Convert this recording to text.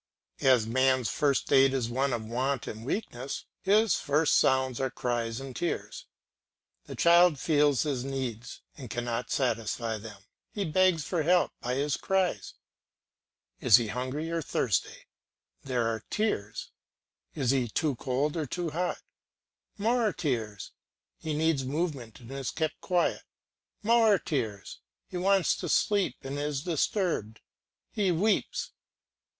As man's first state is one of want and weakness, his first sounds are cries and tears. The child feels his needs and cannot satisfy them, he begs for help by his cries. Is he hungry or thirsty? there are tears; is he too cold or too hot? more tears; he needs movement and is kept quiet, more tears; he wants to sleep and is disturbed, he weeps.